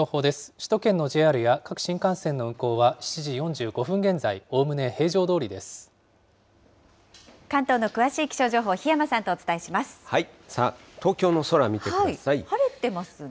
首都圏のＪＲや各新幹線の運行は、７時４５分現在、関東の詳しい気象情報、東京の空、晴れてますね。